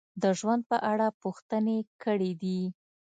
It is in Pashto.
د ژوند په اړه پوښتنې کړې دي: